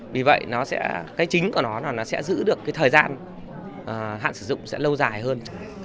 vì vậy cái chính của nó là nó sẽ giữ được thời gian hạn sử dụng sẽ lâu dài hơn